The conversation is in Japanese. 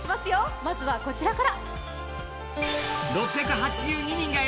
まずはこちらから。